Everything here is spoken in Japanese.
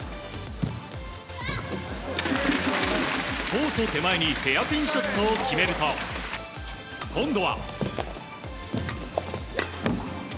コート手前にヘアピンショットを決めると今度は。